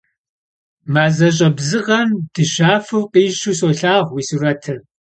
Мазэщӏэ бзыгъэм дыщафэу къищу солъагъу уи сурэтыр.